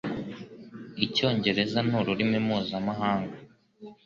Icyongereza ni ururimi mpuzamahanga.